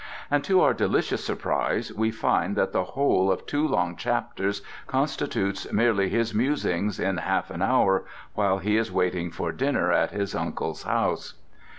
And to our delicious surprise we find that the whole of two long chapters constitutes merely his musings in half an hour while he is waiting for dinner at his uncle's house.